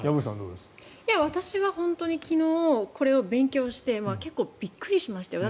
私は昨日、これを勉強して結構、びっくりしましたよ。